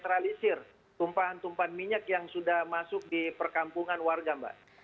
netralisir tumpahan tumpahan minyak yang sudah masuk di perkampungan warga mbak